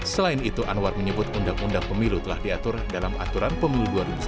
selain itu anwar menyebut undang undang pemilu telah diatur dalam aturan pemilu dua ribu sembilan belas